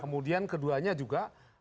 kemudian keduanya juga